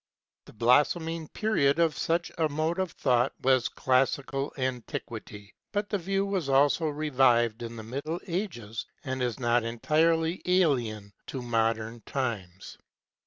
The blossoming period of such a 34 KNOWLEDGE AND LIFE mode of thought was classical antiquity; but the view was also revived in the Middle Ages, and it is not entirely alien to modern times.